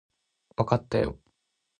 わかったよ